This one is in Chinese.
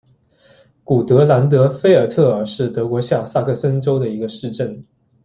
古德兰德菲尔特尔是德国下萨克森州的一个市镇。